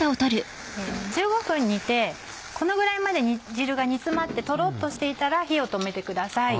１５分煮てこのぐらいまで煮汁が煮詰まってトロっとしていたら火を止めてください。